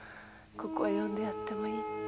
「ここへ呼んでやってもいい」